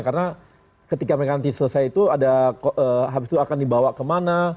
karena ketika meganti selesai itu ada habis itu akan dibawa kemana